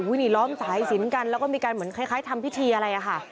นี่ล้อมสายสินกันแล้วก็มีการเหมือนคล้ายทำพิธีอะไรอะค่ะ